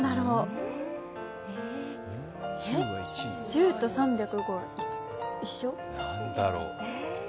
１０と３０５が一緒？